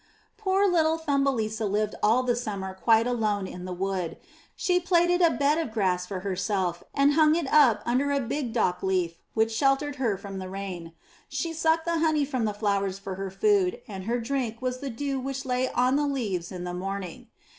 Poor little Thumbelisa lived all the summer quite alone in the wood. She plaited a bed of grass for herself and hung it up under a big dock leaf which sheltered her from the rain; she sucked the honey from the flowers for her food, and her drink was the dew which lay on the leaves in the morning.